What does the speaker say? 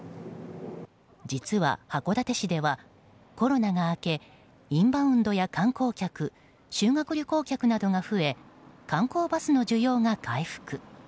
実は、函館市ではコロナが明けインバウンドや観光客修学旅行客などが増え観光バスの需要が回復。